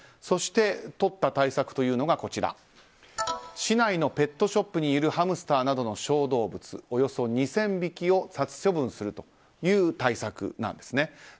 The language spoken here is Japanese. そして、とった対策というのが市内のペットショップにいるハムスターなどの小動物およそ２０００匹を殺処分するという対策なんですね。